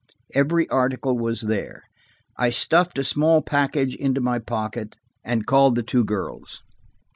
Every article was there. I stuffed a small package into my pocket, and called the two girls.